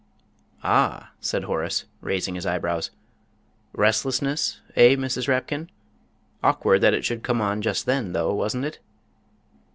"Ah!" said Horace, raising his eyebrows, "restlessness eh, Mrs. Rapkin? Awkward that it should come on just then, though, wasn't it?"